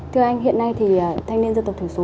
thưa anh hiện nay thì thanh niên dân tộc thiểu số